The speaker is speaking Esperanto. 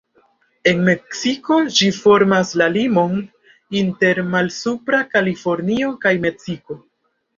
En Meksiko ĝi formas la limon inter Malsupra Kalifornio kaj Meksiko.